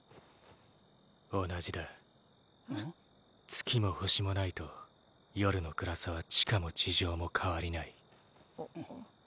月も星もないと夜の暗さは地下も地上も変わりない。